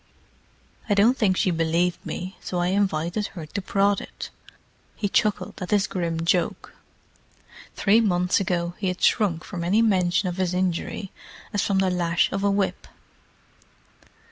I don't think she believed me, so I invited her to prod it!" He chuckled at his grim joke. Three months ago he had shrunk from any mention of his injury as from the lash of a whip.